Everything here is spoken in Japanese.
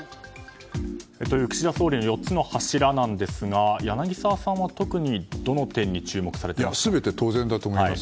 岸田総理の４つの柱なんですが柳澤さんは特にどの点にどれも注目すべきだと思います。